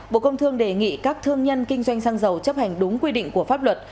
bộ công thương đề nghị các thương nhân kinh doanh xăng dầu chấp hành đúng quy định của pháp luật